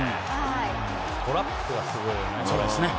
トラップがすごいよね。